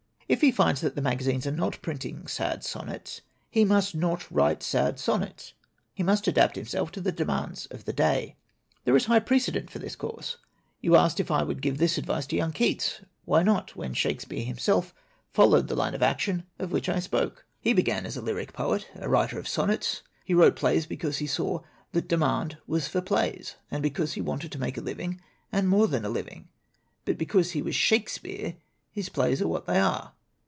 "If he finds that the magazines are not printing sad sonnets, he must not write sad sonnets. He must adapt himself to the demands of the day. "There is high precedent for this course. You 152 SIXTEEN DON'TS FOR POETS asked if I would give this advice to the young Keats. Why not, when Shakespeare himself fol lowed the line of action of which I spoke? He began as a lyric poet, a writer of sonnets. He wrote plays because he saw that the demand was for plays, and because he wanted to make a living and more than a living. But because he was Shakespeare his plays are what they are.